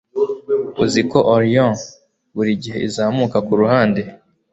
Uziko Orion burigihe izamuka kuruhande